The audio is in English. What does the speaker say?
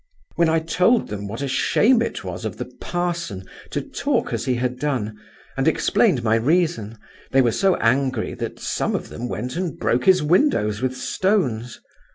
"When I told them what a shame it was of the parson to talk as he had done, and explained my reason, they were so angry that some of them went and broke his windows with stones.